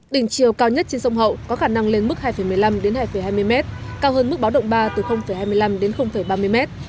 đỉnh chiều cao nhất trên sông hậu có khả năng lên mức hai một mươi năm đến hai hai mươi m cao hơn mức báo động ba từ hai mươi năm đến ba mươi m